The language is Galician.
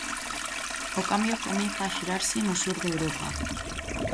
O cambio comeza a xerarse no sur de Europa.